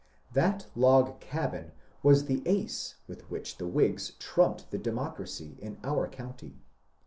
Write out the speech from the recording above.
That log cabin was the ace with which the Whigs trumped the Democracy in our county.